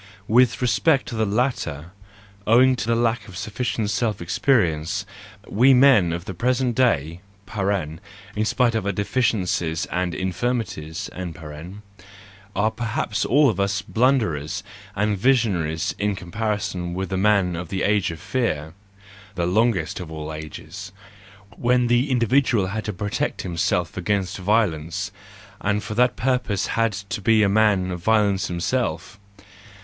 With respect to the latter, owing to lack of sufficient self¬ experience, we men of the present day (in spite of our deficiencies and infirmities), are perhaps all of us blunderers and visionaries in comparison with the men of the age of fear — the longest of all ages,—when the individual had to pro¬ tect himself against violence, and for that purpose had to be a man of violence himself.